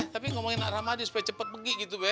tapi ngomongin nak ramadi supaya cepet pergi gitu be